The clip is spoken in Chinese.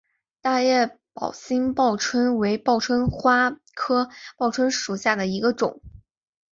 大叶宝兴报春为报春花科报春花属下的一个种。